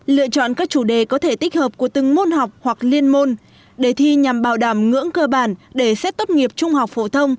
lựa chọn các chủ đề có thể tích hợp của từng môn học hoặc liên môn đề thi nhằm bảo đảm ngưỡng cơ bản để xét tốt nghiệp trung học phổ thông